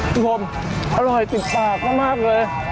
คุณผู้ชมอร่อยติดปากมากเลย